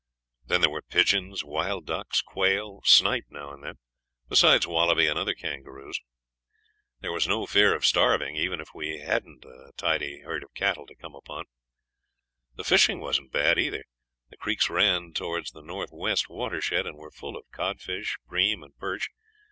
Then there were pigeons, wild ducks, quail, snipe now and then, besides wallaby and other kangaroos. There was no fear of starving, even if we hadn't a tidy herd of cattle to come upon. The fishing wasn't bad either. The creeks ran towards the north west watershed and were full of codfish, bream, and perch.